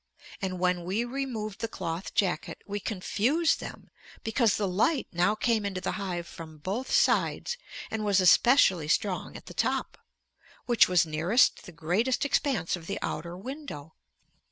And when we removed the cloth jacket we confused them because the light now came into the hive from both sides and was especially strong at the top, which was nearest the greatest expanse of the outer window.